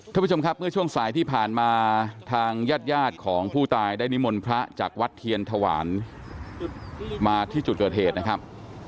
ท่านผู้ชมครับเมื่อช่วงสายที่ผ่านมาทางญาติญาติของผู้ตายได้นิมนต์พระจากวัดเทียนถวายมาที่จุดเกิดเหตุนะครับ